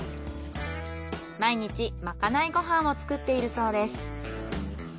毎日まかないご飯を作っているそうです。